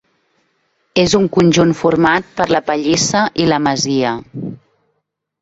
És un conjunt format per la pallissa i la masia.